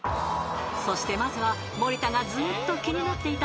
［そしてまずは森田がずっと気になっていた］